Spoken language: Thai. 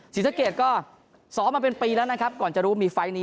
ศรีสะเกดก็ซ้อมมาเป็นปีแล้วนะครับก่อนจะรู้มีไฟล์นี้